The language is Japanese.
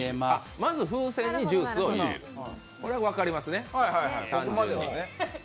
まず風船にジュースを入れる、これは分かりますね。